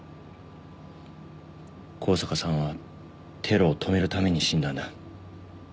香坂さんはテロを止めるために死んだんだ。